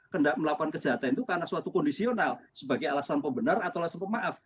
kendak melakukan kejahatan itu karena suatu kondisional sebagai alasan pembenar atau alasan pemaaf